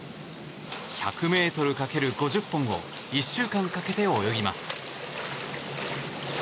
１００ｍ×５０本を１週間かけて泳ぎます。